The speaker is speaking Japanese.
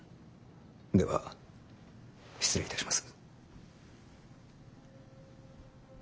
では失礼いたします。